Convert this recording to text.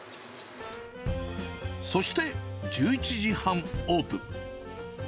そして１１時半オープン。